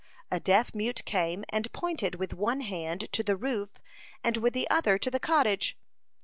A deaf mute came and pointed with one hand to the roof and with the other to the cottage.